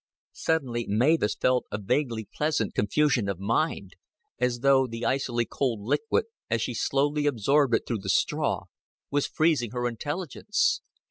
Suddenly Mavis felt a vaguely pleasant confusion of mind, as though the icily cold liquid, as she slowly absorbed it through the straw, was freezing her intelligence.